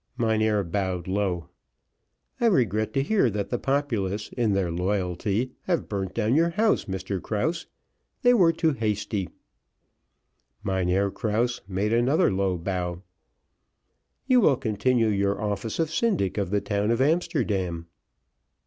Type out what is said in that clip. Mynheer bowed low. "I regret to hear that the populace in their loyalty have burnt down your house, Mr Krause they were too hasty." Mynheer Krause made another low bow. "You will continue your office of syndic of the town of Amsterdam."